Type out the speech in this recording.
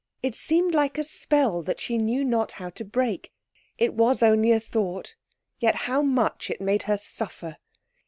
It seemed like a spell that she knew not how to break. It was only a thought, yet how much it made her suffer!